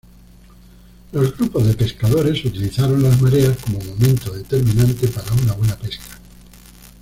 Los grupos de pescadores utilizaron las mareas como momento determinante para una buena pesca.